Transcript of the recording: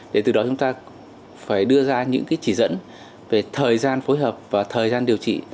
để từ đó chúng ta phải đưa ra những chỉ dẫn về thời gian phối hợp và thời gian điều trị